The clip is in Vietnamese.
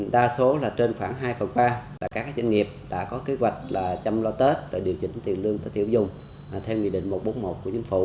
đa số là trên khoảng hai phần ba là các doanh nghiệp đã có kế hoạch chăm lo tết rồi điều chỉnh tiền lương tết tiêu dùng theo nghị định một trăm bốn mươi một của chính phủ